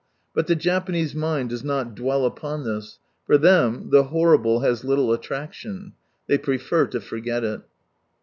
But the Japanese mind docs not dwell upon this, — for them the horrible has little attraction. They prefer lo forget it.